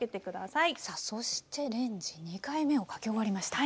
さあそしてレンジ２回目をかけ終わりました。